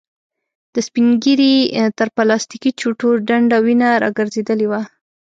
د سپين ږيري تر پلاستيکې چوټو ډنډ وينه را ګرځېدلې وه.